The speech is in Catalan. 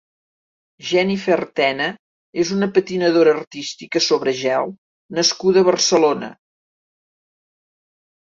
Jenifer Tena és una patinadora artística sobre gel nascuda a Barcelona.